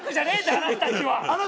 あなたたちは。